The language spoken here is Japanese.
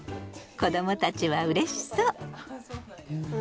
子どもたちはうれしそう。